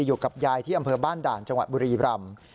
อยู่กับยายที่อำเภอบ้านด่านจังหวัดบุรีรำ